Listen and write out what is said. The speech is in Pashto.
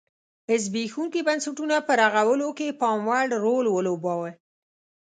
زبېښونکي بنسټونه په رغولو کې پاموړ رول ولوباوه.